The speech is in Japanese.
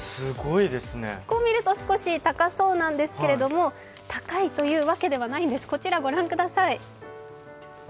こう見ると少し高そうなんですけれども、高いというわけではないんです。